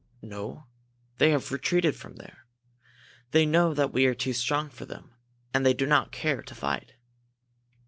"No, they have retreated from there. They know that we are too strong for them, and they do not care to fight."